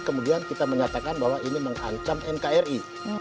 kemudian kita menyatakan bahwa ini mengancam nkri